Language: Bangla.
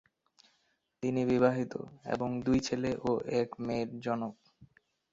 তিনি বিবাহিত এবং দুই ছেলে ও এক মেয়ের জনক।